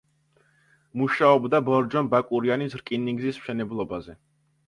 მუშაობდა ბორჯომ-ბაკურიანის რკინიგზის მშენებლობაზე.